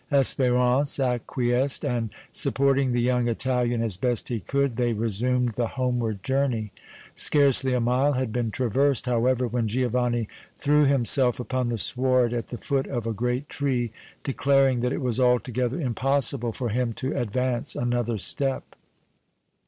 Espérance acquiesced, and, supporting the young Italian as best he could, they resumed the homeward journey. Scarcely a mile had been traversed, however, when Giovanni threw himself upon the sward at the foot of a great tree, declaring that it was altogether impossible for him to advance another step.